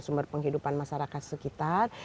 sumber penghidupan masyarakat sekitar